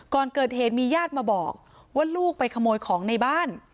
ก่อนเกิดเหตุมีญาติมาบอกว่าลูกไปขโมยของในบ้าน